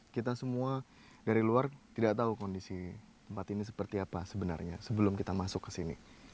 kita semua dari luar tidak tahu kondisi tempat ini seperti apa sebenarnya sebelum kita masuk ke sini